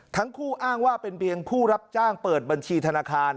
ทั้งคู่อ้างว่าเป็นเพียงผู้รับจ้างเปิดบัญชีธนาคาร